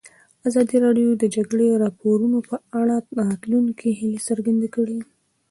ازادي راډیو د د جګړې راپورونه په اړه د راتلونکي هیلې څرګندې کړې.